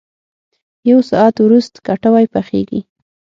یو ساعت ورست کټوۍ پخېږي.